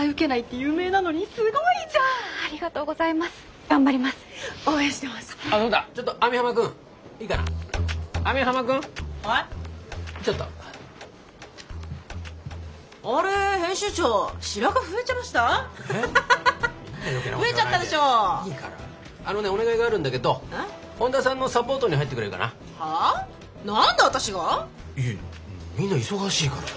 いやみんな忙しいからさ。